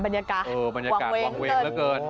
บรรยากาศกวางเวง